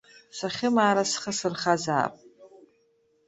Сахьымаара схы сырхазаап!